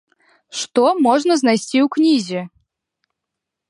Што можна знайсці ў кнізе?